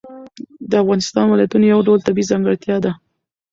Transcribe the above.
د افغانستان ولایتونه یو ډول طبیعي ځانګړتیا ده.